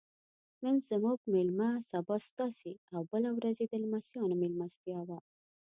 نن زموږ میلمه سبا ستاسې او بله ورځ یې د لمسیانو میلمستیا وه.